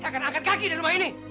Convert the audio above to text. akan angkat kaki di rumah ini